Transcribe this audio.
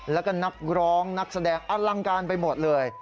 แล้วก็นักร้องนักแสดงอลังการไปหมดเลย